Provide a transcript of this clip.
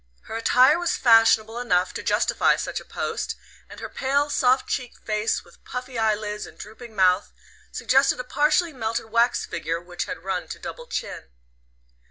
Her attire was fashionable enough to justify such a post, and her pale soft cheeked face, with puffy eye lids and drooping mouth, suggested a partially melted wax figure which had run to double chin.